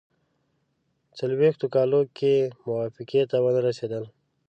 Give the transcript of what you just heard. څلوېښتو کالو کې موافقې ته ونه رسېدل.